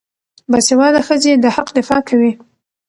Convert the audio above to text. باسواده ښځې د حق دفاع کوي.